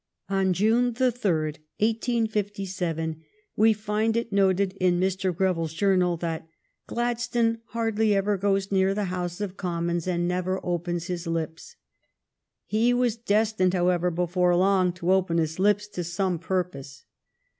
On June the third, 1857, we find it noted in Mr. Greville s journal that '' Gladstone hardly ever goes near the House of Commons, and never opens his Hps." He was destined, however, before long to open his lips to some purpose.